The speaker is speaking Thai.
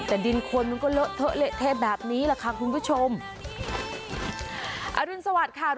แต่ดินคนมันก็เลอะเทอะเละเทะแบบนี้แหละค่ะคุณผู้ชมอรุณสวัสดิ์ค่ะ